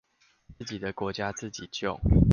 自己的國家自己救